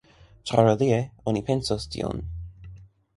Ĉar alie oni pensos tion.